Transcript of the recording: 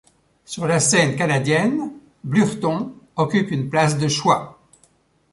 Sur la scène canadienne, Blurton occupe une place de choix.